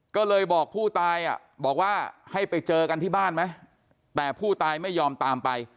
ก็เลยบอกผู้ตายบอกว่าให้ไปเจอกันที่บ้านไหมแต่ผู้ตายไม่ยอมตามไป